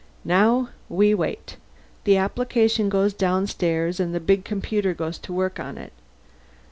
"Now we wait. The application goes downstairs and the big computer goes to work on it.